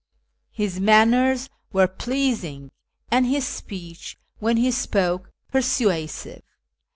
His manners were pleasing, and his speech, when he spoke, persuasive.